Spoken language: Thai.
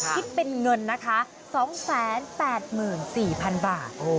คิดเป็นเงินนะคะ๒๘๔๐๐๐บาท